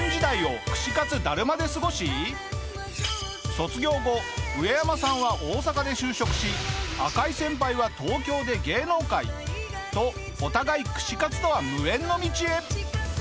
卒業後ウエヤマさんは大阪で就職し赤井先輩は東京で芸能界。とお互い串かつとは無縁の道へ。